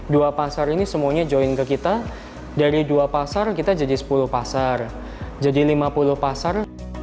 dua pasar ini semuanya join ke kita dari dua pasar kita jadi sepuluh pasar jadi lima puluh pasar